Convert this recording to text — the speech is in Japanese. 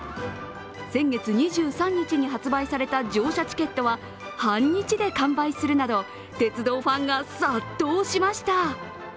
先月２３日に発売された乗車チケットは、半日で完売するなど鉄道ファンが殺到しました。